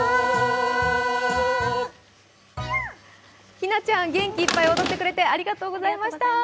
ひなちゃん、元気いっぱい踊ってくれてありがとう。